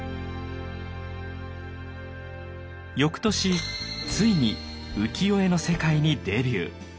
翌年ついに浮世絵の世界にデビュー。